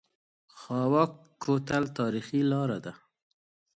خاوک کوتل تاریخي لاره ده؟